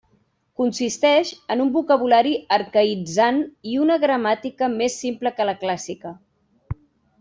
Consisteix en un vocabulari arcaïtzant i una gramàtica més simple que la clàssica.